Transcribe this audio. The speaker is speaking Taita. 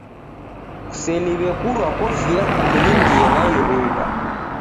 Kuseliw'e kurwa kofia kukulindie na iruw'a.